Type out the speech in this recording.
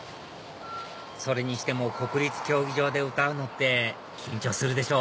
それにしても国立競技場で歌うのって緊張するでしょ？